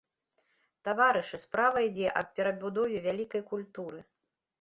Таварышы, справа ідзе аб перабудове вялікай культуры.